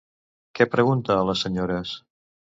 Què pregunta a les senyores?